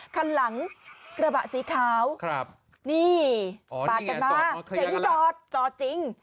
คันหลังกระบะสีขาวครับนี่อ๋อนี่ไงตอบจริงจอดจอดจริง